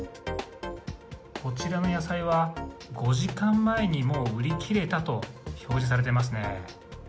こちらの野菜は、５時間前にもう、売り切れたと表示されてますね。